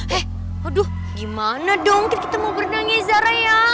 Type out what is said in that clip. heee aduh gimana dong kita mau berenangin zara ya